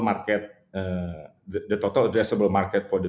dan ketika kami membandingkan pasar total